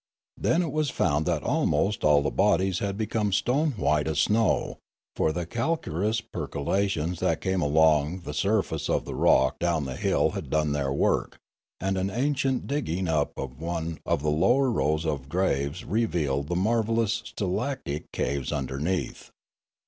Then it was found that almost all the bodies had become stone white as snow, for the calcareous perco lations that came along the surface of the rock down the hill had done their work, and an accident in dig ging up one of the lower row of graves revealed the marvellous stalactitic caves underneath.